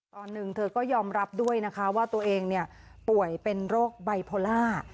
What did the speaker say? ตอนหนึ่งเธอก็ยอมรับด้วยนะคะว่าตัวเองป่วยเป็นโรคไบโพล่า